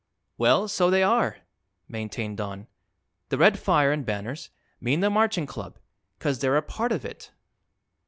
"Well, so they are," maintained Don. "The red fire an' banners mean the Marching Club, 'cause they're a part of it."